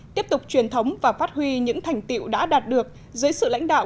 tiếp tục truyền thống và phát huy những thành tiệu đã đạt được dưới sự lãnh đạo